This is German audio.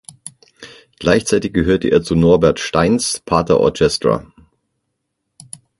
Gleichzeitig gehörte er zu Norbert Steins "Pata Orchestra".